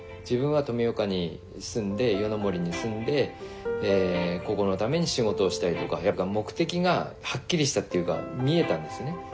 自分は富岡に住んで夜ノ森に住んでここのために仕事をしたいとかやっぱり目的がはっきりしたっていうか見えたんですよね。